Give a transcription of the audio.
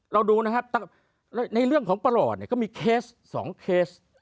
เราดูนะครับในเรื่องของประหลอดเนี่ยก็มีเคส๒เคส